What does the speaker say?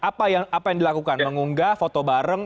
apa yang dilakukan mengunggah foto bareng